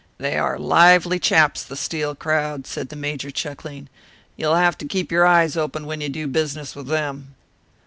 "They are lively chaps, the Steel crowd," said the Major, chuckling. "You will have to keep your eyes open when you do business with them."